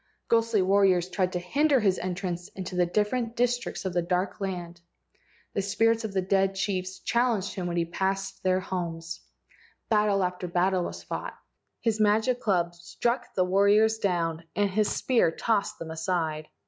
Ghostly warriors tried to hinder his entrance into the different districts of the dark land. The spirits of dead chiefs challenged him when he passed their homes. Battle after battle was fought. His magic club struck the warriors down, and his spear tossed them aside.